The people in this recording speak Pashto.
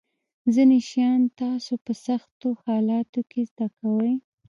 ځینې شیان تاسو په سختو حالاتو کې زده کوئ.